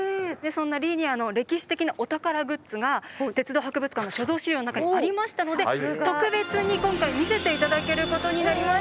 そんなリニアの歴史的なお宝グッズが鉄道博物館の所蔵資料の中にありましたので特別に今回見せて頂けることになりました。